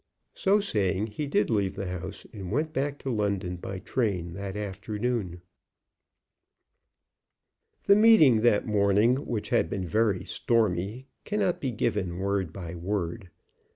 So saying he did leave the house, and went back to London by train that afternoon. The meeting that morning, which had been very stormy, cannot be given word by word.